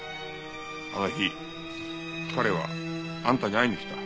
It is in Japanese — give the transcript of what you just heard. あの日彼はあんたに会いに来た。